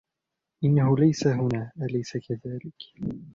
إنه ليس هنا ، أليس كذلك ؟